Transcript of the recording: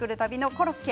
コロッケ！